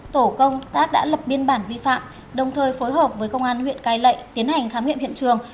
tổ công tác đã lập biên bản vi phạm đồng thời phối hợp với công an huyện cai lệ tiến hành khám nghiệm hiện trường